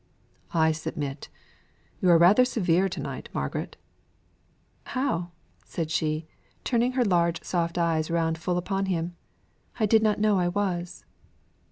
"I submit. You are rather severe to night, Margaret." "How?" said she, turning her large soft eyes round full upon him. "I did not know I was."